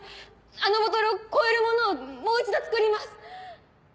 あのボトルを超えるものをもう一度作ります！